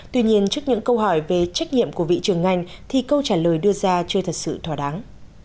tuy nhiên trước những câu hỏi về trách nhiệm của vị trưởng ngành thì câu trả lời đưa ra chưa thật sự thỏa đáng